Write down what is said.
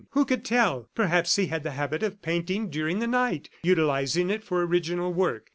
Who could tell? Perhaps he had the habit of painting during the night, utilizing it for original work.